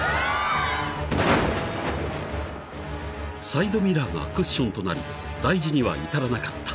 ［サイドミラーがクッションとなり大事には至らなかった］